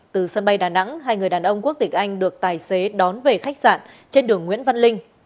từ sân bay đà nẵng hai người đàn ông quốc tịch anh được tài xế đón về khách sạn trên đường nguyễn văn linh